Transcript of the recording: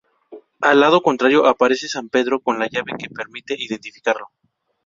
Al lado contrario aparece san Pedro, con la llave que permite identificarlo.